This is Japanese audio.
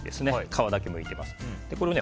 皮だけむいてます。